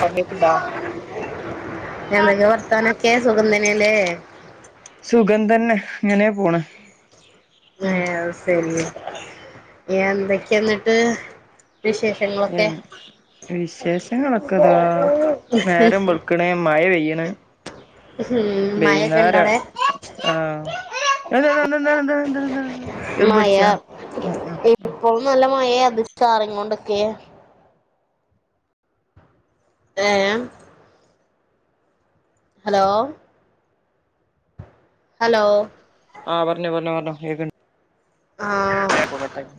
പറഞ്ഞേക്ക്ണ്ടാ [unintelligible] എന്തൊക്കെ വർത്താനൊക്കെ സുഗന്ധനല്ലേ സുഗന്തന്നെ ഇങ്ങനേ പോണ് ഏഹ് അഹ് സെരി എന്തൊക്കെന്ന്ട്ട് എ വിശേഷങ്ങളൊക്കെതാ നേരം വെൾ ക്ക്ണ് മഴ പെയ്യ്ണ് ഉ ഹും മഴൊക്കെ ഇണ്ടോടെ ആഹ് എന്താ ന്താ ന്താ ന്താണ് ന്താണ് ന്താണ് ന്താണ് എർമ്പ് മഴ കടിച്ചാ അഹ് ആഹ് ആഹ് ഇപ്പോൾ നല്ല മഴേ അതോ ച്ചാറിങ്ങോണ്ട്ക്കേ [unintelligible] ഹലോ ഹലോ ആഹ് പറഞ്ഞോ പറഞ്ഞോ പറഞ്ഞോ കേക്കൻ ഏഹ് ഇപ്പൊ കട്ടായി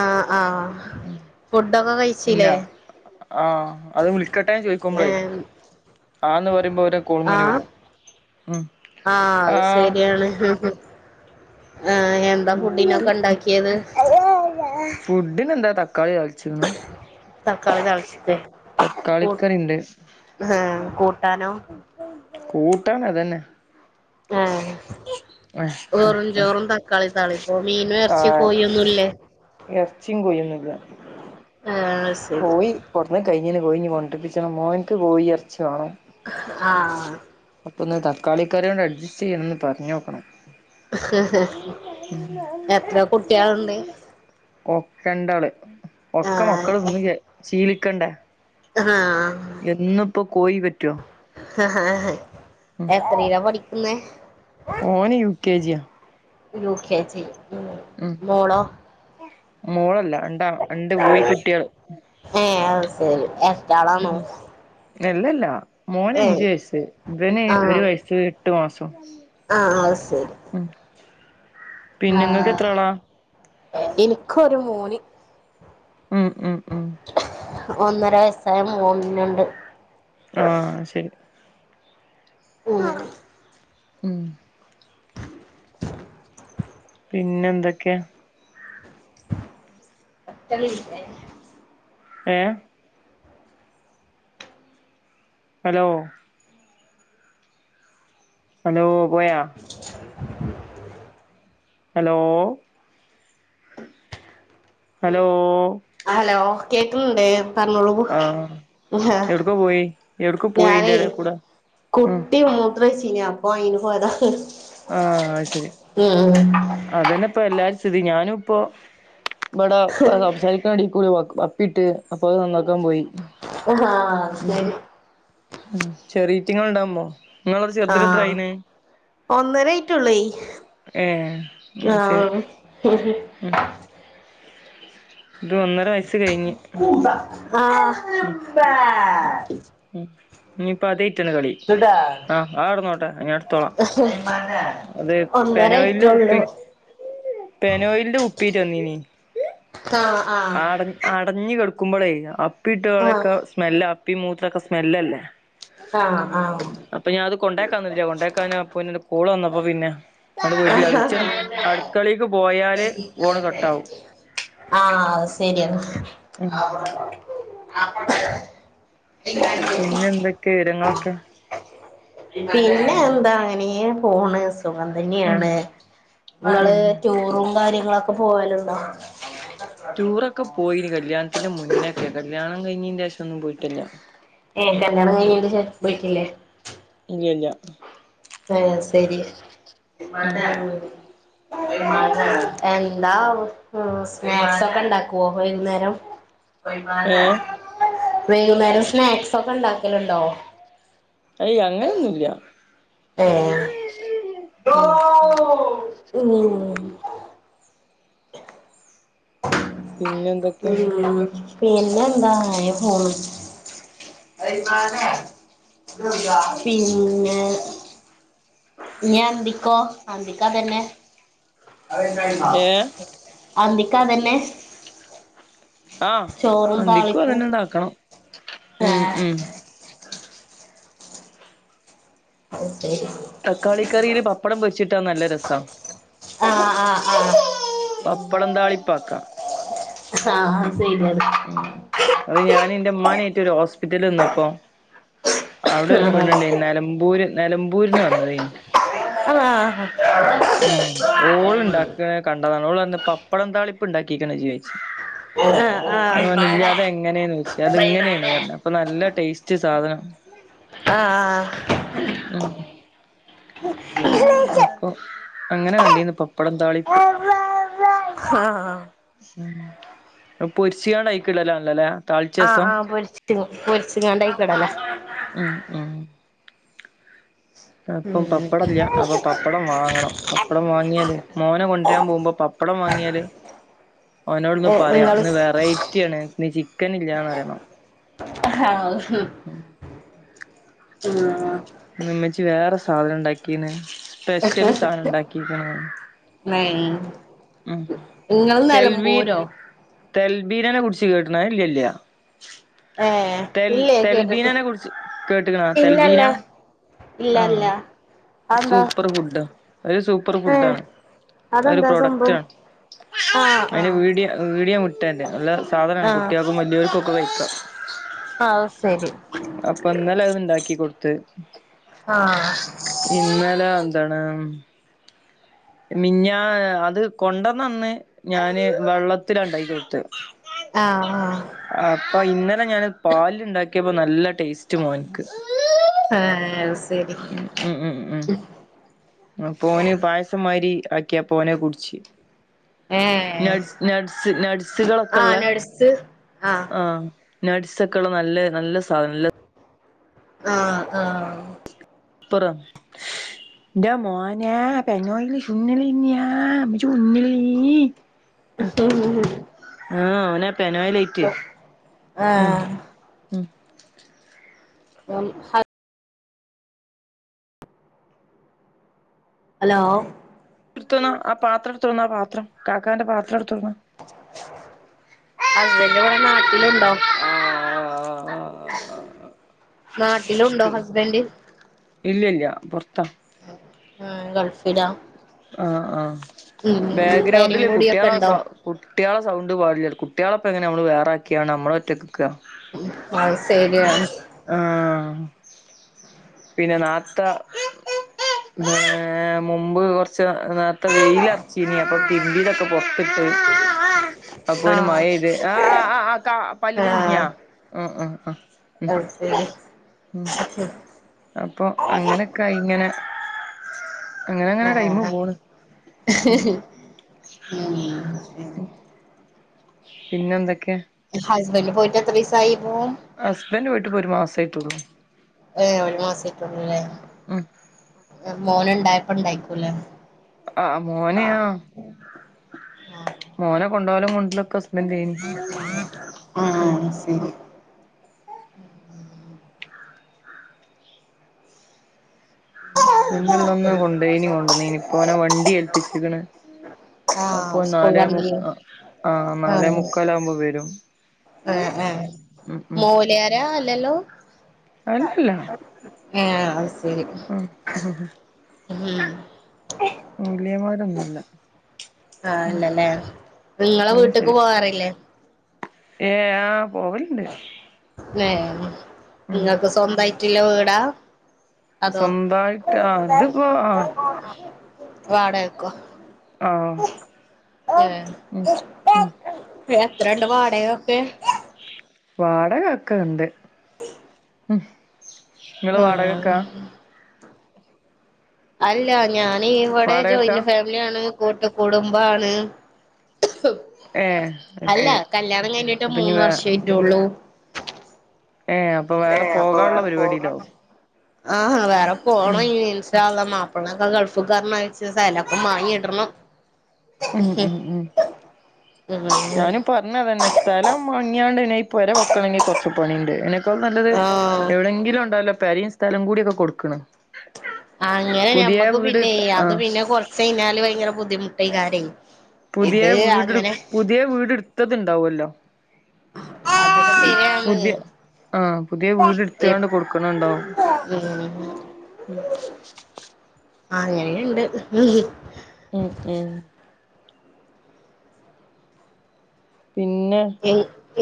ആഹ് ആഹ് ഫുഡൊക്കെ പിന്നെ കഴിച്ചിലേ ആഹ് അത് വിളിക്കട്ടെന്ന് ഏ ചോയ്ക്കുമ്പളേ ആന്ന് പറയുമ്പോ അവരെ കോളിങ്ങനെ വരും ഉം ആഹ് അത് ശരിയാണ് ഏഹ് എന്താ ഫുഡ് ഫുഡിനൊക്കെ ഉണ്ടാക്കി ക്കിയത് ഫുഡിന് എന്താ തക്കാളി താളിച്ച്ക്കണ് തക്കാളി താളിച്ചിട്ടേ കൂ തക്കാളിക്കറിണ്ട് ആഹ് കൂട്ടാനോ കൂട്ടാൻ അതന്നെ ആഹ് ആഹ് ആഹ് വെറും ആഹ് ചോറും തക്കാളി താളിപ്പും മീനും എറച്ചീം കോയി ഒന്നുല്ലേ എറച്ചീം കൊയൊന്നുല്ല ആഹ് അത് ശരി കോയി കൊടുന്ന് കഴിഞ്ഞാല് കോഴി ഇനി കൊണ്ടിപ്പിച്ചണം മോനിക്ക് കോഴി എറച്ചി വേണം ആഹ് അപ്പൊ ഇന്ന് തക്കാളി കറി കൊണ്ട് അഡ്ജസ്റ്റ് ചെയ്യണംന്ന് പറഞ്ഞോക്കണം എത്ര കുട്ടികളുണ്ട് അ ഒക്കെണ്ടാള് ഒക്കെ മക്കള് ആഹ് തിന്ന് [unintelligible] ശീലിക്കണ്ടേ ആഹ് എന്നും ഇപ്പോ കോയി പറ്റോ ഉം എത്രേലാ പഠിക്കുന്നേ ഓന് യു കെ ജി യാ യു കെ ജി ഉം മോളോ മോളല്ല [unintelligible] [unintelligible] രണ്ട് ബോയ് കുട്ട്യള് ഏഹ് അത് ശരി ഉം എരട്ടാളാണോ നെല്ലല്ലാ മോന് അഞ്ചു ഏഹ് വയസ്സ് ഇവന് ആഹ് ഒരു വയസ് എട്ടു മാസം ആഹ് അത് ശരി മ്ഹ് ആഹ് എനിക്കൊരു മോന് ഉം ഉം മ്ഹ് ഒന്നര വയസ്സായ മോനുണ്ട് ആഹ് ശരി [unintelligible] ഉം പിന്നെ എന്തൊക്കെയാ [unintelligible] ഏഹ് ഹലോ ഹലോ പോയാ ഹലോ ഹലോ ഹലോ കേക്കുന്നുണ്ട് പറഞ്ഞോളു ആഹ് എവിടക്കോ പോയി എവിടക്കോ പോയി അയിന്റെ ഞാനേ എടെ കൂടെ ഉം കുട്ടി മൂത്രോഴിച്ചീന് അപ്പൊ അയിന് പോയതാ ആഹ് അത് ശരി ഉം ആഹ് അത് തന്നെ ഇപ്പ എല്ലാരേം സ്ഥിതി ഞാനും ഇപ്പോ ഇവിടെ സംസാരിക്കണ എടീക്കുടെ അപ്പിട്ട് അപ്പൊ അത് നന്നാക്കാൻ പോയി. ആഹ് ശരി ചെറിയീറ്റങ്ങ ഉണ്ടാവുമ്പോ നിങ്ങളടെ ചെർതിന് എത്രായിണ്? ഒന്നരായിട്ടുളേ ഏഹ് അത് ശരി ആഹ് ഉം ഇത് ഒന്നര വയസ്സ് കഴിഞ്ഞ് ആഹ് ഉം ആ [unintelligible] ഉം ഇഞ്ഞിപ്പം അതെറ്റ്ള്ള കളി. ആഹ് അടെന്നോട്ടെ അത് ഞാൻ എടുത്തോളാം അത് പെനോയിലിന്റെ ഒന്നരായിട്ടുള്ളൂ കുപ്പി [unintelligible] പെനോയിലിന്റെ കു കുപ്പിയേറ്റ് വന്നിനി ആഹ് ആഹ് അട അടഞ്ഞ് കടക്കുമ്പോഴേ അപ്പി ആഹ് ഇട്ടുകളൊക്കെ സ്മെല് അപ്പി മൂത്രൊക്കെ സ്മെല്ലല്ലേ? ആഹ് ആഹ് ഇപ്പംഞാനത് കൊണ്ടാക്കാനിന്ന്ട്ടില്ല കൊണ്ടാക്കാന് അപ്പോന് കോൾവന്നപ്പോ പിന്നെ ഇങ്ങള വീട്ടില കിച്ചൻ ആഹ് അടുക്കളിക്ക് പോയാല് ഫോണ് കട്ടാവും. ആഹ് അത് ശെരിയെന്നാ ഉം ആപ്പ [unintelligible] പിന്നെ എന്തൊക്കെ വിവരങ്ങളൊക്കെ പിന്നെ എന്താ അങ്ങനെപോണ് സുഖ ഉം അതന്നെയാണ്. നിങ്ങള് ഉം ടൂറും കാര്യങ്ങളൊക്കെ പോവലുണ്ടോ? ടൂറൊക്കെ പോയിന് കല്യാണത്തിന്റെ മുന്നേക്ക കല്യാണം കഴിഞ്ഞിന്റെശേഷം ഒന്നും പോയിട്ടല്ല. ഏ കല്യാണം കഴിഞ്ഞെന്റെശേഷം പോയില്ലേ? ഇല്ല്യ ഇല്ല്യ ആഹ് ശരിയ ഉം എന്താ സ്നാക്സ് ഒക്കെ ഉണ്ടാകോ വൈകുന്നേരം ഏ വേകുന്നേരം സ്നാക്സ് ഒക്കെ ഉണ്ടാക്കലുണ്ടോ? അയ്അങ്ങനൊന്നുല്ല. ഏ ഉം ഉ [unintelligible] [unintelligible] പിന്നെ എന്തൊക്കെ ഉം പിന്നെന്താ? അങ്ങനപോണ് പിന്നെ പിന്നെ അന്തിക്കോ അന്തിക്കാതെന്നെ? ഏ അന്തിക്കത്തന്നെ ആഹ് അന്തിക്കും താളിപ്പും അതന്നെണ്ട് ആക്കണം ആ ഉം ഉം അഓതെ [unintelligible] തക്കാളിക്കറിയില് പപ്പടം പൊരിച്ചിട്ടാ നല്ല രസാ. ആഹ് ആഹ് ആഹ് പപ്പടം താളിപ്പാക്കാം. ആഹ ശരി [unintelligible] ഉം അത് ഞാന് ഇന്റെമ്മാനെറ്റ് ഒരു ഹോസ്പിറ്റല് നിന്നപ്പൊ അവിടെ ഒരു ആ പെണ്ണണ്ടേനി നിലമ്പൂര് നിലമ്പൂര്ന്ന് വന്നതേനി. ആഹ് ആഹ് ഉം ഓള് ഇണ്ടാക്ക കണ്ടതാണ് ഓൾ പപ്പടം താളിപ്പ് ഉണ്ടാക്കിക്കണ ഇജ്ജ് ചോയിച്ച് ഞാൻ പറഞ് ഇല്ല അതെങ്ങനെ ചോയിച്ച് അത് ഇങ്ങനെണ്പറഞ്ഞ അ അപ്പൊ നല്ല ടേസ്റ്റ് സാധനം. ആഹ് ഉം [unintelligible] അപ്പൊ അങ്ങനെ കണ്ടിന്ന് പപ്പടം താളിപ്പ് ആഹ ഉ പൊരിശികാണ്യിക്കുള്ളല്ലാ ആല്ലല്ലേ ആ ആ പൊരിച്ച്ങ്ങാണ്ടയിക്കടല്ലേ? ഉം ആ ഇപ്പം പപ്പടംല്ല അപ്പൊ പപ്പടം വാങ്ങണം പപ്പടം വാങ്ങിയാല് മോനെ കൊണ്ടുവരാൻ പോക്പോ പപ്പടം വാങ്ങിയാല് ഓനോട്‌ ഇന്ന് പറയാ നിങ്ങള് ഇന്ന് വെറൈറ്റി ആണ് ഇ ചിക്കൻ ഇല്ലന്ന് അറിയണോ ആഹ ഉ മ്മച്ച് വേറെ സാധനം ഉണ്ടാക്കീന് സ്പെഷ്യല് സാധനം ഉണ്ടാക്കിരിക്കണാണ് [unintelligible] ഉ ഇങ്ങള് തെൽബീൻ നിലമ്പൂരോ തെൽബീനനെ കുടിച്ച് കേട്ടണ ഇല്ല ഇല്ല [unintelligible] തെൽ കേട്ടിട്ട് തെൽബീനനെ കുറിച്ച് കേട്ടക്കണ തെൽബീന ഇല്ലല്ല ഇല്ല ഇല്ല ആഹ് അതെന്താ സൂപ്പർ ഫുഡ ഒരു സൂപ്പർ ഏ ഫുഡാണ് ആ ഒരു അതെന്താ പ്രൊഡക്റ്റ് സംഭവം ആണ്. ആ ആ അതി വീടിയ വീടിയ മുട്ടറെ നല്ല സാധനണ് ആ കുട്ടിയാക്കുമ ഇവർക്കൊക്കെ വയ്ക്കാം ആ ശരി അപ്പൊ എന്നാല അത് ഉണ്ടാക്കി കൊടുത്ത് ആഹ ഇന്നലെ എന്താണ് മിഞ്ഞ അത് കൊണ്ടന്നന്ന് ഞാന് വെള്ളത്തില ഉണ്ടാക്ക കൊടുത്ത് ആഹ ആഹ് അപ്പൊ ഇന്നലെ ഞാൻ പാല് ഉണ്ടാക്കിയപ്പോ നല്ല ടേസ്റ്റ് മോനിക്ക് ആഹ ശരി ഉം ഉം ഉം പോന് പായസം മാരി ആക്കിയാ പോനെ കുടിച്ച് ഏ ന ന്സുകളൾൊക്കെ ആ ഉള്ളേ നഴ്സ് ആ ആഹ നട്സ്ക്കെയുള്ള നല്ല നല്ല സാധനം നല്ല ആഹ ആഹ പുറം എന്താ മോനാ പെനോല ചുന്നലന്നയാ ചുന്നിലീ ആഹ ഓനപ്പനോ ലേറ്റ് ഉ ഉം ഉം ഹലോ തിർത്തന്ന ആ പാത്രം എടുത്തോന്ന ആ പാത്രം കാക്കാന്റെ പാത്രം എടുത്തർന്ന ഹസ്ബൻറ് ഇവിടെ നാട്ടിലുണ്ടോ ഓ നാട്ടിലുണ്ടോ ഹസ്ബൻഡ് ഇല്ലല്ല പുറത്താ ഗൾഫടാ ആ ആഹ പേരും ബാക്ക്ഗ്രൗണ്ടില് കൂടിയൊക്കെ കുട്ടികളാ ഉണ്ടോ സ കുട്ടികളെ സൗണ്ട് പാടില്ല കുട്ടികളെപ്പപ്പോ എങ്ങനെ നമ്മള് വേറാക്കിയാണ് നമ്മളെ ഒറ്റക്കക്കുക [unintelligible] ശരിയാണ് ആ പിന്നെ നാത്ത മുമ്പ് കുറ ച്ച നേർത്ത വെയിലറച്ചീനി അപ്പൊ തിർമ്പെതൊക്കെ പൊറത്തിട്ട് അപ്പൊരു ആഹ് മഴയ്ത് ആ ആ പല്ലുമ്മെ കുടിങ്ങയാ ഉ ഉ ആ ഉം [unintelligible] തെതും ഉം അപ്പൊ അങ്ങനെക്കാഴിങ്ങനെ അങ്ങനെങ്ങനെ ടൈമ് ആഹ് പോണ് ഉം ഉം പിന്നെന്തെക്കെ? ഹസ്ബെൻഡ് പോയിട്ടെത്രീസായിപ്പൊ? ഹസ്ബൻഡറ് പോയിട്ട്പ്പൊരു മാസായിട്ടൊള്ളൂ ഏഹേ ഒരു മാസായിട്ടൊളൂലെ? മ് മോനുണ്ടായപ്പോ ണ്ടായിക്കൂല്ലാ ആഹ മോനെയാ ആഹ് മോനെ കൊണ്ടൊകലും കൊണ്ടര്ലൊക്ക ഹസ്ബന്റേനി ഉം [inaudible] ഹസ്ബന്റ്ള്ളന്ന് കൊണ്ടെയിനി കൊണ്ടന്നീനി ഇപ്പോനെ വണ്ടി ഏൽപ്പിച്ചിക്ണ് അപ്പൊ ആഹ് സ്കൂൾ നാലേ മു വണ്ടിയോ ആഹാ നാലേ മുക്കാലാവുമ്പോ വെരും ഏഹേ എഹേ മോല്യാരാ അല്ലല്ലോ? അല്ലല്ല ഏഹെ അഹ്സെരി ഉം ഉം മൊലിയാമാരൊന്നൊല്ല ആഹ് അല്ലലെ ഇങ്ങളെ വീട്ട്ക്ക് പോവാറില്ലേ? ഏഹ് ആഹാ പോവല്ണ്ട് ഏഹേ ഇങ്ങക്ക് സ്വന്തയിട്ടില്ലെ വീടാ? അതോ സ്വന്തായിട്ട് ആ ഇതിപ്പോ ആ വാടകക്കോ? ആഹാ ഏഹ് ഉം ഉം എത്രെണ്ട് വാടകക്കെ? വാടകക്കെണ്ട് [inaudible] ഉം ഇങ്ങള് ആഹ് വാടകെക്കാ? അല്ല ഞാനീ ഇവടെ വാടകക്കാ ജോയിൻ്റ് ഫാമിലി യാണ് കൂട്ടു കുടുംബാണ് ഏ അത് അല്ല ശരി കല്ല്യാണം കഴിഞ്ഞിട്ട് അപ്പൊ ഇനി മൂന്ന് വേ വർഷേയായിട്ടൊള്ളൂ ഏഹേ അപ്പൊ വേറെ പോകാള്ളെ പരിവാടിയിലാവും ആഹ വേറെ പോണൈഞ് ഇൻഷാഅല്ലാഹ് മാപ്പ ൾനൊക്കെ ഗൾഫ്ക്കർഞേച്ച് സ്ഥലൊക്കെ മാങ്ങിടണം ഉം ഉം ഉം ഉം ഞാനുപ്പൊ പറഞ്ഞതെന്നെ സ്ഥലം മാങ്ങിയാണ്ട് പിനെ പൊര വെക്കണങ്കി കൊറച്ച് പണിണ്ട് ഇപ്പൊ നല്ലത് ആഹ് എവിടെങ്കിലുണ്ടാവല്ലോ പെരിം സ്ഥലുകൂടിയൊക്കെ കൊട്ക്ണെ അങ്ങനെ ഞമ്മക്ക് പിന്നെ അത് ആ പിന്നെ കൊറച്ചയ്ഞ്ഞാല് ഭയങ്കര ബുദ്ധിമുട്ടൈകാരെ പുതിയ വീട് പുതിയ വീട്‌ട്ത്തത്ണ്ടാവല്ലോ? അത് പുതി ആഹാ പുതിയ വീടെട്ത്താണ്ട് കൊട്ക്ക്ണെണ്ടാവും ഉം മ് ആഹാ അങ്ങനീണ്ട് മ് മ് പിന്നെ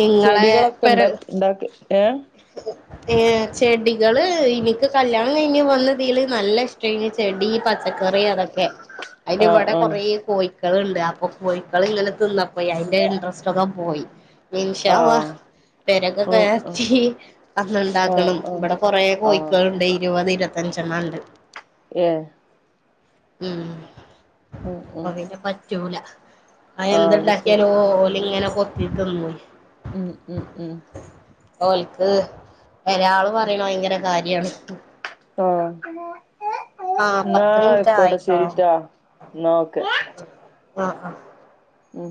ഇങ്ങളെ ചെടികളൊക്കെണ്ടോ? ഇണ്ടാക്ക ഏഹേ ഏഹേ ചെടികള് ഇനിക്ക് കല്യാണം കഴിഞ്ഞ് വന്നതില് നല്ല ഇഷ് ട്ടേനി ചെടി, പച്ചക്കറി, അതൊക്കെ അയിന് വടെ ആഹ് കൊറെ കോഴക്കള്ണ്ട് അപ്പൊ കോഴക്കള്ങ്ങനെ തിന്നപ്പോ അയിന്റെ ഇൻട്രസ്റ്റൊക്കെ പോയി ഇൻഷാഅള്ളാ ആഹ് ആഹ് പെരക്കെ കെ ഉം ഉം ങ്കി ആഹ് അന്ന്ണ്ടാക്കണം ആഹ് ഇബടെ കൊറേ ആഹ് കോഴിക്കള്ണ്ടേ ഇരുവത് ഇരുപത്തഞ്ചെണ്ണെണ്ട് ഏഹ് ഉം ഉം ഉം [unintelligible] പറ്റൂല അ ആഹ് അത് ശരി എന്തുണ്ടാക്കിയാലും ഓല് ഇങ്ങനെ കൊത്തിത്തിന്നും ഉം ഉം ഉം ഓൽക്ക് എരാള് പറയണ ഭയങ്കര കാര്യാണ് ട്ടോ ആഹ് ന്നാ പത്ത് മിനിറ്റ് ആയ്ക്കോട്ടെ ആയിട്ടോ ശരിട്ടോ എന്നാ ഓക്കെ ആഹ് ആഹ് ഉം